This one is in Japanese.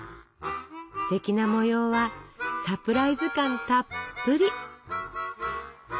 ステキな模様はサプライズ感たっぷり！